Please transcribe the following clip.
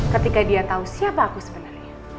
ketika dia tahu siapa aku sebenarnya